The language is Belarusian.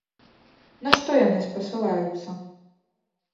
На што яны спасылаюцца?